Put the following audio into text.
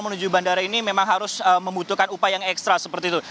menuju bandara ini memang harus membutuhkan upaya yang ekstra seperti itu